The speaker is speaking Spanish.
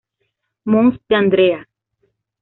Mons de Andrea.